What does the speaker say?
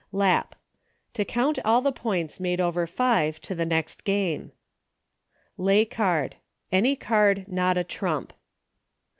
Lap. To count all the points made over five to the next game. Lay Card. Any card not a trump.